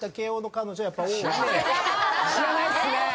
知らないっすね。